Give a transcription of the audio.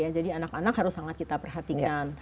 jadi anak anak harus sangat kita perhatikan